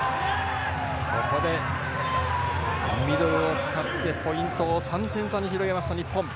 ここでミドルを使ってポイントを３点差に広げた日本。